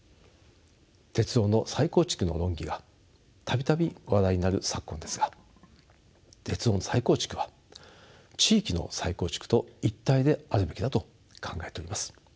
鉄道の再構築の論議が度々話題になる昨今ですが鉄道の再構築は地域の再構築と一体であるべきだと考えております。